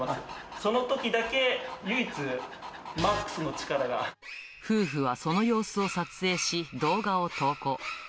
そのときだけ唯一、マックスの力夫婦はその様子を撮影し、動画を投稿。